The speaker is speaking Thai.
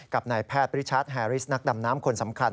กับนายแพทย์ริชัดแฮริสนักดำน้ำคนสำคัญ